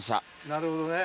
なるほどね。